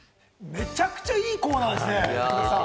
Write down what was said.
めちゃくちゃいいコーナーですね！